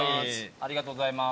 ありがとうございます。